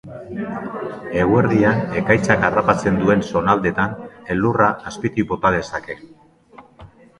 Eguerdian ekaitzak harrapatzen duen zonaldetan elurra azpitik bota dezake.